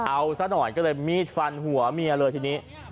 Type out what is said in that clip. เอาซะหน่อยก็เลยมีดฟันหัวเมียเลยทีนี้